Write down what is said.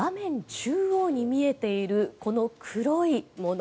中央に見えているこの黒いもの